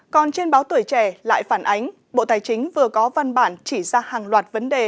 còn trên báo tuổi trẻ lại phản ánh bộ tài chính vừa có văn bản chỉ ra hàng loạt vấn đề